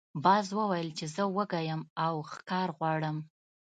باز وویل چې زه وږی یم او ښکار غواړم.